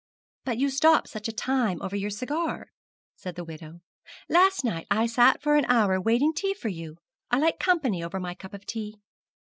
'But you stop such a time over your cigar,' said the widow. 'Last night I sat for an hour waiting tea for you. I like company over my cup of tea.'